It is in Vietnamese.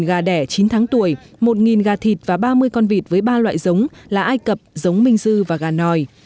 gà đẻ chín tháng tuổi một gà thịt và ba mươi con vịt với ba loại giống là ai cập giống minh dư và gà nòi